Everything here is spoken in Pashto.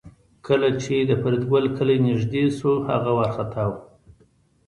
کله چې د فریدګل کلی نږدې شو هغه وارخطا و